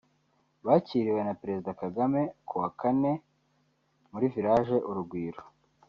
bakiriwe na Perezida Kagame kuwa Kane muri Village Urugwiro